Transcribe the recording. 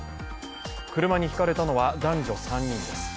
車にひかれたのは男女３人です。